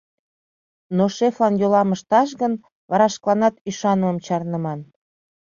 Но шефлан йолам ышташ гын, вара шкаланат ӱшанымым чарныман...